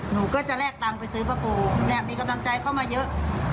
หนูก็จะแลกตังค์ไปซื้อผ้าปูเนี่ยมีกำลังใจเข้ามาเยอะ